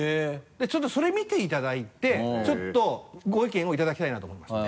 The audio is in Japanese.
ちょっとそれ見ていただいてちょっとご意見をいただきたいなと思いまして。